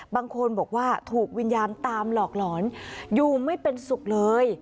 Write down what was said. บางคนบอกว่าถูกวิญญาณตามหลอกหลอนอยู่ไม่เป็นสุขเลย